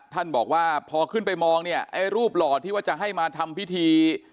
ท่านบอกว่าพอขึ้นไปมองเนี่ยไอ้รูปหล่อที่ว่าจะให้มาทำพิธี